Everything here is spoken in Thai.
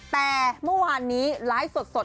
แต่เมื่อวานนี้ไลฟ์สด